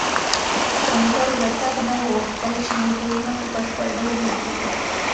د موټرو د تګ نه وه، کله چې موټرونه په بشپړ ډول ودرېدل.